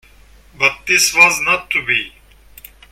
But this was not to be.